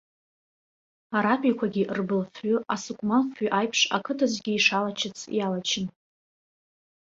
Аратәиқәагьы рбылфҩы асыкәмал фҩы аиԥш ақыҭа зегьы ишалачыц иалачын.